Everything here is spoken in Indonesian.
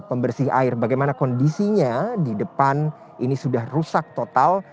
pembersih air bagaimana kondisinya di depan ini sudah rusak total